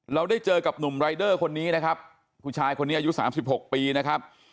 เราได้เจอกับหนุ่มรายเดอร์คนนี้นะครับผู้ชายคนนี้อายุ๓๖ปีนะครับ